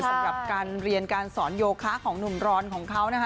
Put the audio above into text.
สำหรับการเรียนการสอนโยคะของหนุ่มร้อนของเขานะคะ